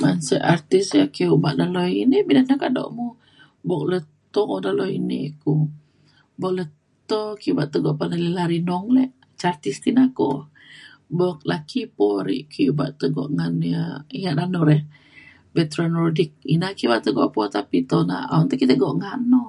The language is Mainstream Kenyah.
man sio artis ia ke obak dalau ini bek na kado mo bok leto dalau ini ku bok leto ke obak teguk Pandalela Rinong lek ca artis ki na ko'oh bok laki po Ricky ba tegok ngan ia' ia' anu rei Bertrand Rhodict. ina ake keluk teguk po tapi [unintelligible] tegok nga no